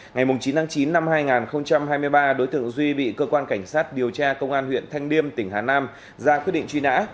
ngày chín tháng chín năm hai nghìn hai mươi ba đối tượng duy bị cơ quan cảnh sát điều tra công an huyện thanh liêm tỉnh hà nam ra quyết định truy nã